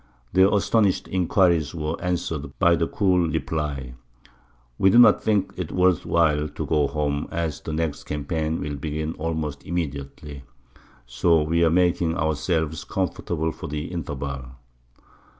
Their astonished inquiries were answered by the cool reply, "We do not think it is worth while to go home, as the next campaign will begin almost immediately; so we are making ourselves comfortable for the interval!"